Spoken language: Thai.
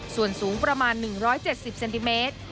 ส่วนสูงประมาณ๑๗๐เซนติเมตร